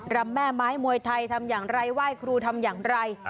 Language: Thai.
รำแม่ไม้มวยไทยทำอย่างไรไหว้ครูทำอย่างไร